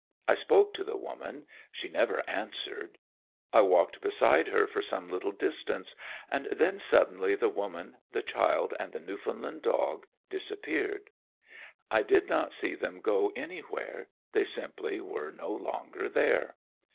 I spoke to the woman, she never answered. I walked beside her for some little distance, and then suddenly the woman, the child, and the Newfoundland dog disappeared. I did not see them go anywhere, they simply were no longer there.